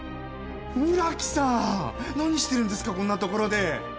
村木さん、何してるんですかこんなところで。